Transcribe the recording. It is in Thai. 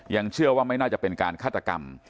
เชื่อว่าไม่น่าจะเป็นการฆาตกรรม